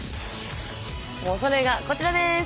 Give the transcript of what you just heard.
それがこちらです。